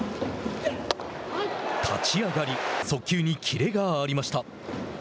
立ち上がり速球にキレがありました。